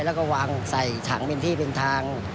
แล้วก็วางใส่ถังเป็นที่เป็นทาง